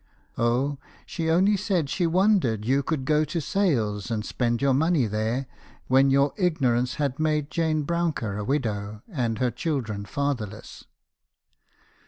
'"Oh, she only said she wondered you could go to sales, and spend your money there , when your ignorance had made Jane Broun cker a widow, and her children fatherless.'